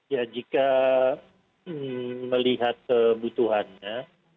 ya jika melihat kebutuhannya